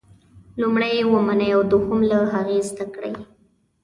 لومړی یې ومنئ او دوهم له هغې زده کړئ.